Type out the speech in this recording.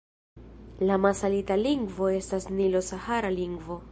La masalita lingvo estas nilo-sahara lingvo.